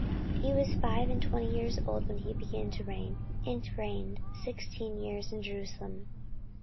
14:027:008 He was five and twenty years old when he began to reign, and reigned sixteen years in Jerusalem.